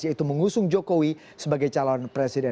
yaitu mengusung jokowi sebagai calon presiden